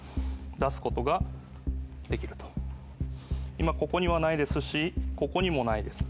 今ここにはないですしここにもないです。